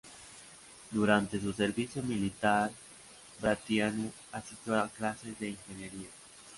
Durante su servicio militar, Brătianu asistió a clases de ingeniería.